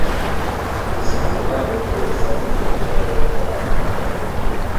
Es extremadamente versátil como perro de trabajo.